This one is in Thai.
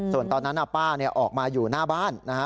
ส่วนตอนนั้นป้าออกมาอยู่หน้าบ้านนะฮะ